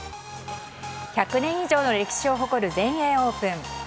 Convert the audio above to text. １００年以上の歴史を誇る全英オープン。